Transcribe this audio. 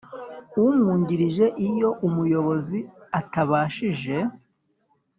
Umwungirije iyo umuyobozi atabashije